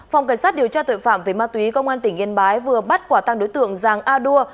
phòng cảnh sát điều tra tội phạm về ma túy công an tỉnh yên bái vừa bắt quả tăng đối tượng giàng a đua